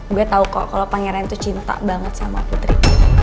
gue tau kok kalau pangeran itu cinta banget sama putri